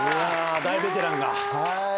大ベテランが。